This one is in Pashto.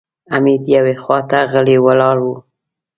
حميد يوې خواته غلی ولاړ و.